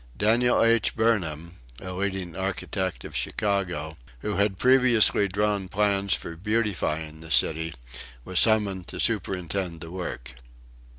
Daniel H. Burnham, a leading architect of Chicago, who had previously drawn plans for beautifying the city, was summoned to superintend the work.